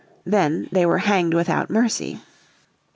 Then they were hanged without mercy.